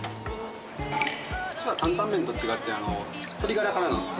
担々麺と違って、鶏ガラからなんです。